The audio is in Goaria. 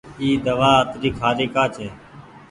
اي دوآ اتري کآري ڪآ ڇي۔